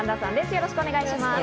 よろしくお願いします。